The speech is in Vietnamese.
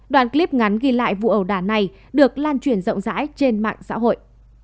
đoàn clip ngắn ghi lại vụ ẩu đàn này được lan truyền rộng rãi trên mạng xã hội